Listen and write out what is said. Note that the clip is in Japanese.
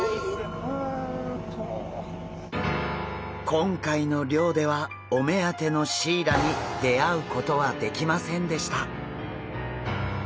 今回の漁ではお目当てのシイラに出会うことはできませんでした。